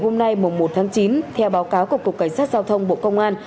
sau một tháng chín theo báo cáo của cục cảnh sát giao thông bộ công an